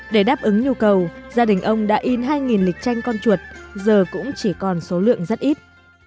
để đáp ứng nhu cầu gia đình ông đã in hai lịch tranh con chuột giờ cũng chỉ còn số lượng rất ít